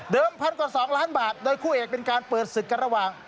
เดิม๑๒๐๐๐๐๐บาทโดยคู่เอกเป็นการเปิดศึกกันระหว่าง